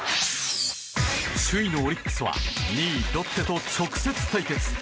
首位のオリックスは２位ロッテと直接対決。